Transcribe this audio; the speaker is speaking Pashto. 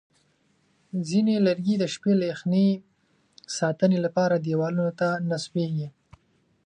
ځینې لرګي د شپې له یخنۍ ساتنې لپاره دیوالونو ته نصبېږي.